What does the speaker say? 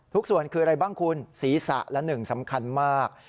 ทุกส่วนคืออะไรบ้างคุณศีรษะและหนึ่งสำคัญมาก